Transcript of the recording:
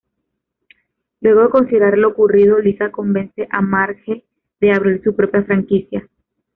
Luego de considerar lo ocurrido, Lisa convence a Marge de abrir su propia franquicia.